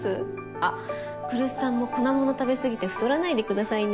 あっ来栖さんも粉もの食べ過ぎて太らないでくださいね。